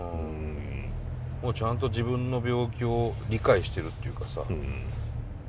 ちゃんと自分の病気を理解してるっていうかさ。